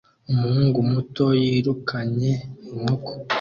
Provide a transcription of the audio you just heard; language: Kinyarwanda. Umuhungu muto yirukanye inkoko